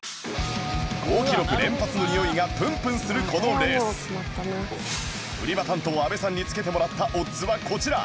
高記録連発のにおいがプンプンするこのレース売り場担当阿部さんにつけてもらったオッズはこちら